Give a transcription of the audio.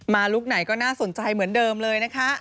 ลุคไหนก็น่าสนใจเหมือนเดิมเลยนะคะ